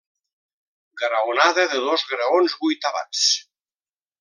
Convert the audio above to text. Graonada de dos graons vuitavats.